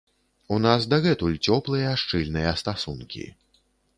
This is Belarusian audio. У нас дагэтуль цёплыя, шчыльныя стасункі.